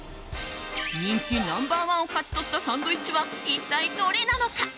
人気ナンバー１を勝ち取ったサンドイッチは一体どれなのか。